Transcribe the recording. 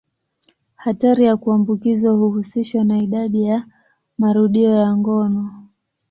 Hatari ya kuambukizwa huhusishwa na idadi ya marudio ya ngono.